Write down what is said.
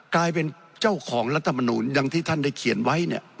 กลายเป็นเจ้าของรัฐมนูลอย่างที่ท่านได้เขียนไว้เนี่ย